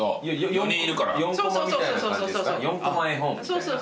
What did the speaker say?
そうそう。